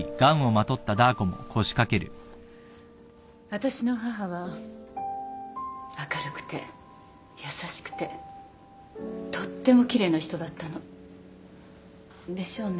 私の母は明るくて優しくてとっても奇麗な人だったの。でしょうね。